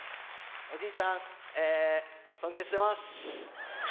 おじいちゃん、尊敬してます。